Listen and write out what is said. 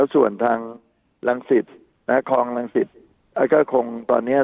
ส่วนทางลังสิทธิ์โครงลังสิทธิ์ก็คงตอนนี้